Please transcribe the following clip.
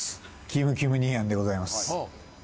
キムキム兄やんでございます。